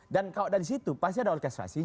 dan kalau dari situ pasti ada orkestrasinya